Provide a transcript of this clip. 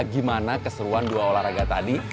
gimana keseruan dua olahraga tadi